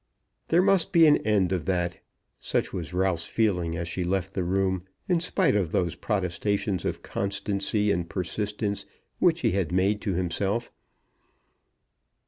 There must be an end of that. Such was Ralph's feeling as she left the room, in spite of those protestations of constancy and persistence which he had made to himself.